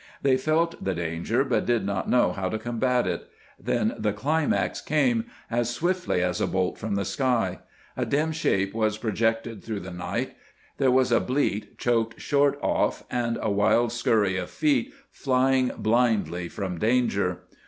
They felt the danger, but did not know how to combat it. Then the climax came, as swiftly as a bolt from the sky. A dim shape was projected through the night; there was a bleat choked short off and a wild scurry of feet flying blindly from danger.